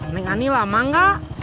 nek ani lama gak